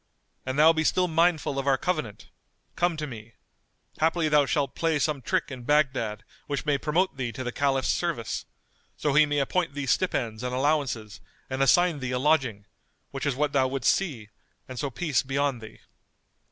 An thou be still mindful of our covenant, come to me; haply thou shalt play some trick in Baghdad which may promote thee to the Caliph's service, so he may appoint thee stipends and allowances and assign thee a lodging, which is what thou wouldst see and so peace be on thee."